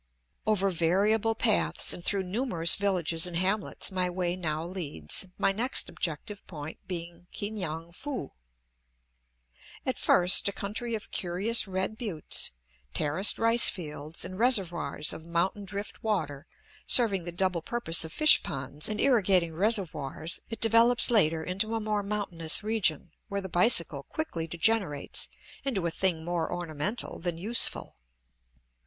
Over variable paths and through numerous villages and hamlets my way now leads, my next objective point being Ki ngan foo. At first a country of curious red buttes, terraced rice fields, and reservoirs of mountain drift water, serving the double purpose of fish ponds and irrigating reservoirs, it develops later into a more mountainous region, where the bicycle quickly degenerates into a thing more ornamental than useful.